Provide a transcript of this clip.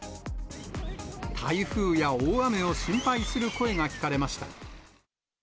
台風や大雨を心配する声が聞かれました。